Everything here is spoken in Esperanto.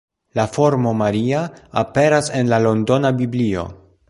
La formo Maria aperas en la Londona Biblio.